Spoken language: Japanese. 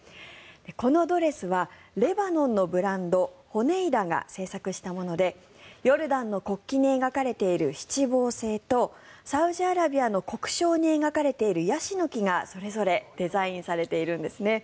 このドレスはレバノンのブランドホネイダが制作したものでヨルダンの国旗に描かれている七芒星とサウジアラビアの国章に描かれているヤシの木がそれぞれデザインされているんですね。